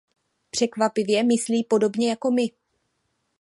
Překvapivě myslí podobně jako my.